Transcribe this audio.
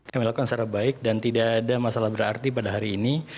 kami lakukan secara baik dan tidak ada masalah berarti pada hari ini